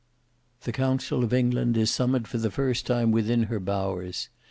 The council of England is summoned for the first time within her bowers.